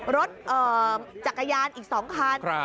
รถจักรยานอีก๒คัน